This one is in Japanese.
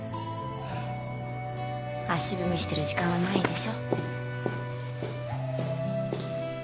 足踏みしてる時間はないでしょ